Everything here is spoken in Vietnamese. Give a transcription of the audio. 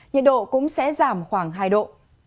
nhiệt độ cũng sẽ giảm khoảng hai độ